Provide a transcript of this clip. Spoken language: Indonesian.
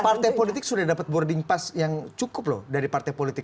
partai politik sudah dapat boarding pass yang cukup loh dari partai politik